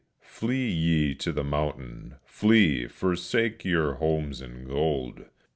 Flee ye to the mountain! Flee! forsake your homes and gold!"